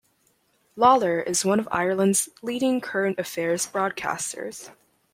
Lawlor is one of Ireland's leading current affairs broadcasters.